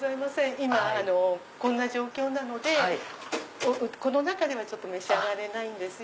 今こんな状況なのでこの中では召し上がれないんですよ。